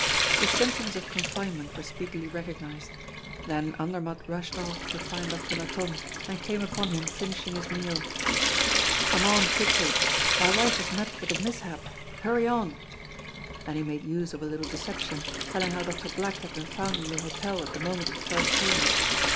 The symptoms of confinement were speedily recognized. Then Andermatt rushed off to find Doctor Latonne, and came upon him finishing his meal. "Come on quickly my wife has met with a mishap hurry on!" Then he made use of a little deception, telling how Doctor Black had been found in the hotel at the moment of the first pains.